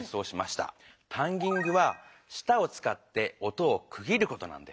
タンギングはしたをつかって音をく切ることなんだよね。